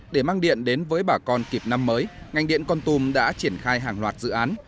để mang điện đến với bà con kịp năm mới ngành điện con tùng đã triển khai hàng loạt dự án